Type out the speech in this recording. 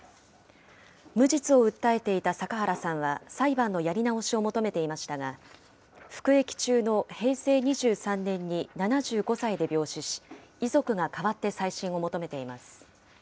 無実を訴えていた阪原さんは裁判のやり直しを求めていましたが、服役中の平成２３年に７５歳で病死し、遺族が代わって再審を求めています。